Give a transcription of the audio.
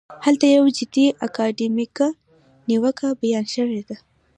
هلته یوه جدي اکاډمیکه نیوکه بیان شوې ده.